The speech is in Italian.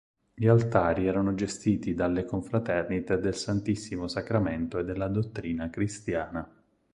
Gli altari erano gestiti dalle confraternite del Santissimo Sacramento e della dottrina cristiana.